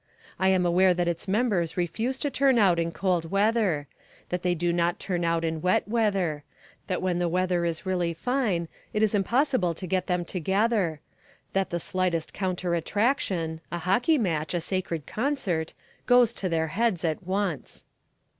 I am aware that its members refuse to turn out in cold weather; that they do not turn out in wet weather; that when the weather is really fine, it is impossible to get them together; that the slightest counter attraction, a hockey match, a sacred concert, goes to their heads at once.